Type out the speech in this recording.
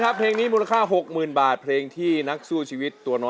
ครั้งเดียวก็เกินจะพอ